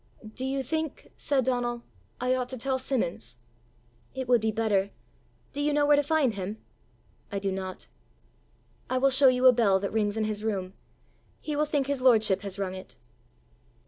"Do you think," said Donal, "I ought to tell Simmons?" "It would be better. Do you know where to find him?" "I do not." "I will show you a bell that rings in his room. He will think his lordship has rung it."